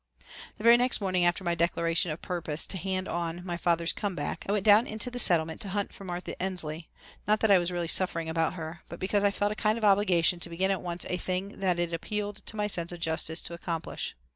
The very next morning after my declaration of purpose to "hand on" my father's "come back" I went down into the Settlement to hunt for Martha Ensley, not that I was really suffering about her, but because I felt a kind of obligation to begin at once a thing that it appealed to my sense of justice to accomplish.